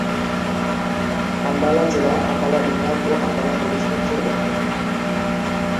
আম্বালা জেলা আম্বালা বিভাগ ও আম্বালা পুলিশ রেঞ্জের অধীন।